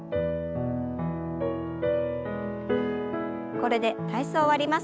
これで体操を終わります。